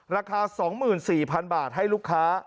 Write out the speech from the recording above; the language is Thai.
ราคา๒๔๐๐๐บาทให้ลูกค้า